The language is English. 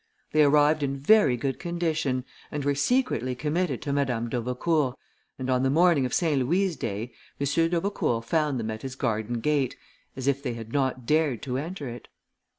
They arrived in very good condition, and were secretly committed to Madame d'Aubecourt, and on the morning of St. Louis's day, M. d'Aubecourt found them at his garden gate, as if they had not dared to enter it.